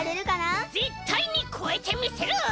ぜったいにこえてみせる！